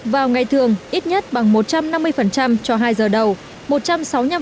vào ngày thường ít nhất bằng một trăm năm mươi cho hai giờ đầu